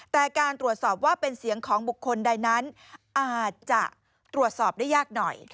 แต่การตรวจสอบว่าเป็นเสียงของบุคคลใดนั้นอาจจะตรวจสอบได้ยากหน่อย